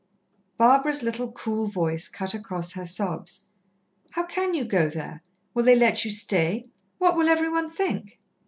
Barbara's little, cool voice cut across her sobs: "How can you go there? Will they let you stay? What will every one think?"